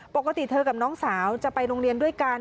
ปกติเธอกับน้องสาวจะไปโรงเรียนด้วยกัน